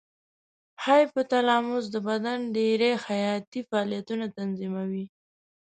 هایپو تلاموس د بدن ډېری حیاتي فعالیتونه تنظیموي.